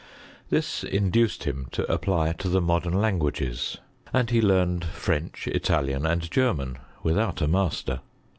This induced him to apply to the modem languages; and he learned French, Italian, and Grerman, without a master.